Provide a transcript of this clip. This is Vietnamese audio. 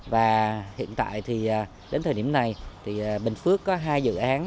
và hiện tại thì đến thời điểm này thì bình phước có hai dự án